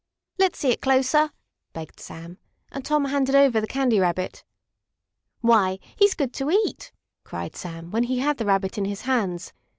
"Let's see it closer," begged Sam, and Tom handed over the Candy Rabbit. "Why, he's good to eat!" cried Sam, when he had the Rabbit in his hands.